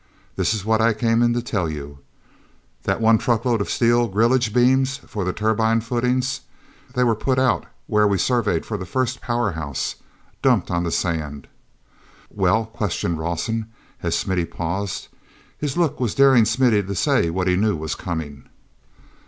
This is what I came in to tell you: that one truckload of steel grillage beams for the turbine footings—they were put out where we surveyed for the first power house—dumped on the sand...." "Well?" questioned Rawson, as Smithy paused. His look was daring Smithy to say what he knew was coming.